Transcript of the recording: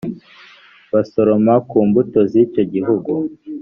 basoroma ku mbuto z’icyo gihugu